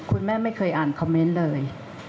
คุณแม่ไม่เคยอ่านคอมเมนต์เลย